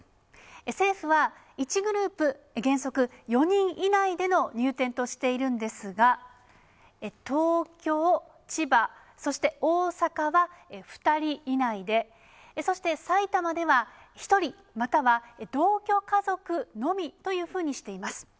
政府は、１グループ原則４人以内での入店としているんですが、東京、千葉、そして大阪は２人以内で、そして埼玉では１人または同居家族のみというふうにしています。